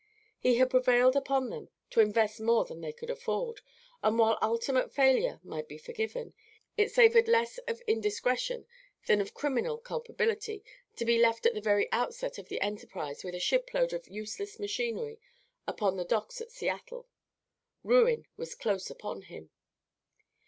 He had prevailed upon them to invest more than they could afford, and while ultimate failure might be forgiven, it savored less of indiscretion than of criminal culpability to be left at the very outset of the enterprise with a shipload of useless machinery upon the docks at Seattle. Ruin was close upon him.